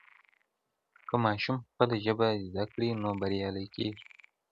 که ماشوم خپله ژبه زده کړي نو بریالی کېږي.